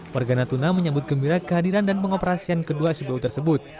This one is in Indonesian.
warga natuna menyambut gembira kehadiran dan pengoperasian kedua subuh tersebut